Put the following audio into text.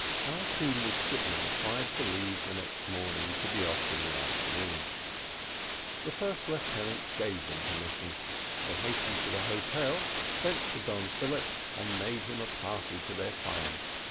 Our two midshipmen applied for leave the next morning to be off in the afternoon. The first lieutenant gave them permission. They hastened to the hotel, sent for Don Philip, and made him a party to their plan.